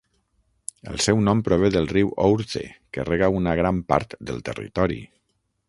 El seu nom prové del riu Ourthe que rega una gran part del territori.